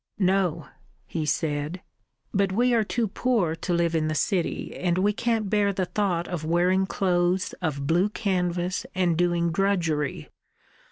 "No," he said. "But we are too poor to live in the city, and we can't bear the thought of wearing clothes of blue canvas and doing drudgery.